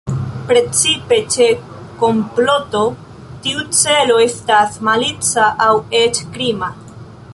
Precipe ĉe komploto tiu celo estas malica aŭ eĉ krima.